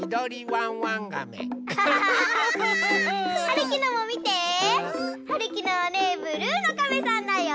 はるきのもみて！はるきのはねブルーのカメさんだよ！